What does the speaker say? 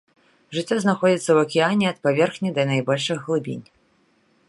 Жыццё знаходзіцца ў акіяне ад паверхні да найбольшых глыбінь.